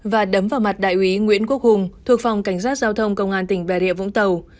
và đấm vào mặt đại úy nguyễn quốc hùng thuộc phòng cảnh sát giao thông công an tỉnh bà rịa vũng tàu